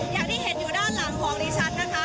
อย่างที่เห็นอยู่ด้านหลังของดิฉันนะคะ